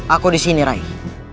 aku disini raih